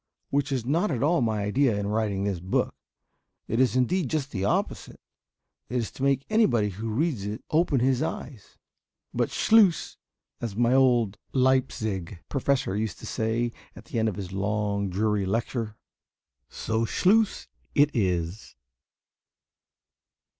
Which is not at all my idea in writing this book. It is, indeed, just the opposite. It is to make anybody who reads it open his eyes. But, "Schluss," as my old Leipzig professor used to say at the end of his long dreary lecture. So Schluss it is!